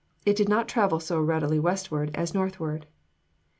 It did not travel so readily westward as northward.